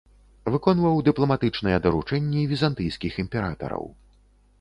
Выконваў дыпламатычныя даручэнні візантыйскіх імператараў.